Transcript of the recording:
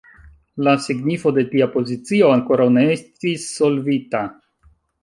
La signifo de tia pozicio ankoraŭ ne estis solvita.